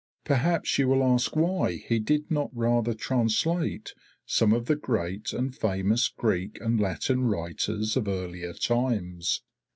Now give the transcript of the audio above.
Perhaps you will ask why he did not rather translate some of the great and famous Greek and Latin writers of earlier times.